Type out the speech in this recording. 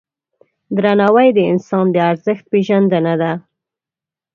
درناوی د انسان د ارزښت پیژندنه ده.